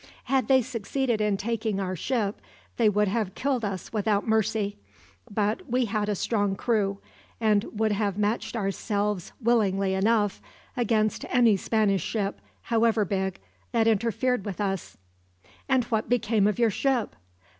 "Had they succeeded in taking our ship, they would have killed us without mercy; but we had a strong crew, and would have matched ourselves, willingly enough, against any Spanish ship, however big, that interfered with us." "And what became of your ship?"